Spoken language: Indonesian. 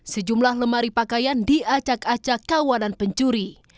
sejumlah lemari pakaian diacak acak kawanan pencuri